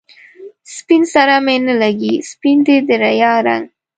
سپين سره می نه لګي، سپین دی د ریا رنګ